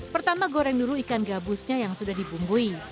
pertama goreng dulu ikan gabusnya yang sudah dibumbui